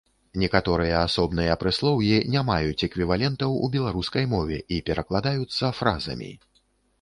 Некаторыя асобныя прыслоўі не маюць эквівалентаў у беларускай мове і перакладаюцца фразамі.